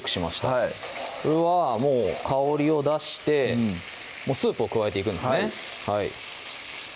はいこれはもう香りを出してスープを加えていくんですね